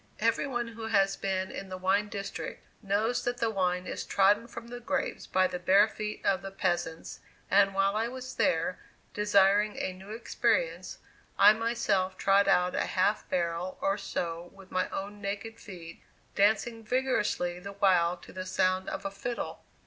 Every one who has been in the wine district knows that the wine is trodden from the grapes by the bare feet of the peasants, and while I was there, desiring a new experience, I myself trod out a half barrel or so with my own naked feet, dancing vigorously the while to the sound of a fiddle.